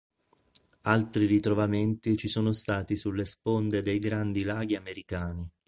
Altri ritrovamenti ci sono stati sulle sponde dei Grandi Laghi americani.